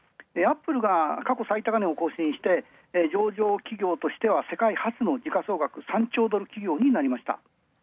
アップルが過去最高値を更新して、上場企業としては世界初の時価総額、３兆ドル企業になりました。